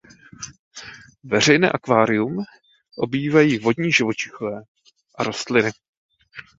Veřejné akvárium obývají vodní živočichové a rostliny.